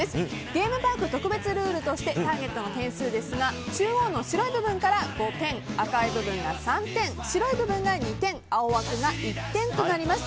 ゲームパーク特別ルールとしてターゲットの点数ですが中央の白い部分から５点赤い部分が３点、白い部分が２点青枠が１点となります。